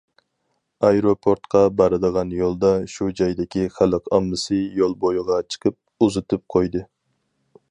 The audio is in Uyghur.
ئايروپورتقا بارىدىغان يولدا، شۇ جايدىكى خەلق ئاممىسى يول بويىغا چىقىپ ئۇزىتىپ قويدى.